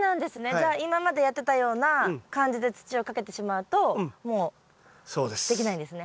じゃあ今までやってたような感じで土をかけてしまうともうできないんですね。